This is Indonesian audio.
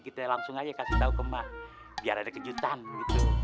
kita langsung aja kasih tau ke mak biar ada kejutan gitu